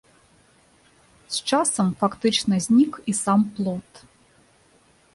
З часам фактычна знік і сам плот.